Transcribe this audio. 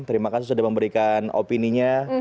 terima kasih sudah memberikan opininya